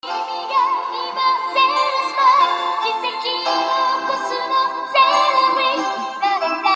Intentando entrar son repelidos por la guardia, iniciando el enfrentamiento.